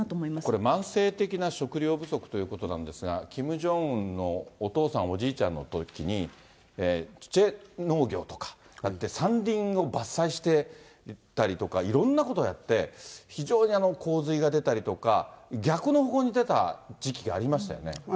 これ、慢性的な食糧不足ということなんですが、キム・ジョンウンのお父さん、おじいちゃんのときに、チュチェ農業とか山林を伐採していったりとか、いろんなことをやって、非常に洪水が出たりとか、逆の方向に出た時期がありましたよね。